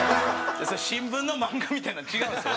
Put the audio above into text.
新聞の漫画みたいなの違うんですよ